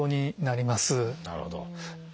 なるほど。